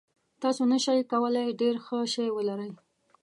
تاسو نشئ کولی ډیر ښه شی ولرئ.